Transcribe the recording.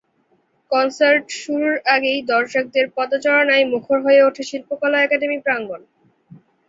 Concert শুরুর আগেই দর্শকদের পদচারণায় মুখর হয়ে ওঠে শিল্পকলা একাডেমি প্রাঙ্গণ।